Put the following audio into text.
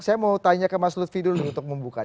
saya mau tanya ke mas lutfi dulu untuk membuka